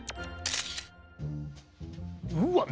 うわっ